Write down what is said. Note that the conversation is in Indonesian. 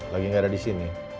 lagi nggak ada di sini